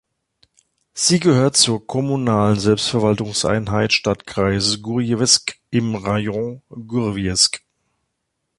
Sie gehört zur kommunalen Selbstverwaltungseinheit "Stadtkreis Gurjewsk" im Rajon Gurjewsk.